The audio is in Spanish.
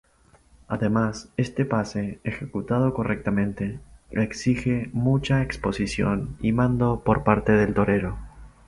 Además este pase, ejecutado correctamente, exige mucha exposición y mando por parte del torero.